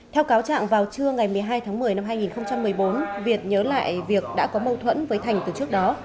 theo cáo trạng vào trưa ngày một mươi hai tháng một mươi năm hai nghìn một mươi bốn việt nhớ lại việc đã có mâu thuẫn với thành từ trước đó